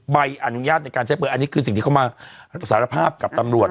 ใบอนุญาตในการใช้ปืนอันนี้คือสิ่งที่เขามาสารภาพกับตำรวจ